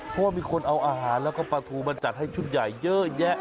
เพราะว่ามีคนเอาอาหารแล้วก็ปลาทูมาจัดให้ชุดใหญ่เยอะแยะ